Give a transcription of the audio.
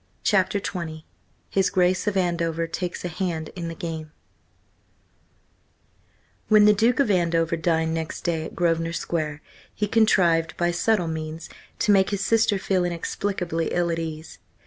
CHAPTER XX HIS GRACE OF ANDOVER TAKES A HAND IN THE GAME WHEN the Duke of Andover dined next day at Grosvenor Square, he contrived, by subtle means, to make his sister feel inexplicably ill at ease.